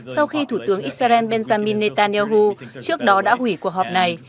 sau khi thủ tướng israel benjamin netanyahu trước đó đã hủy cuộc họp này